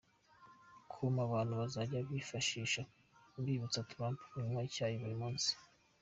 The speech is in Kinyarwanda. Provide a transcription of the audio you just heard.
com, abantu bazajya bifashisha bibutsa Trump kunywa icyayi buri munsi.